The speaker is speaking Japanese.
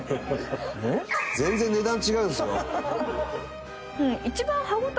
全然値段違うんですよ。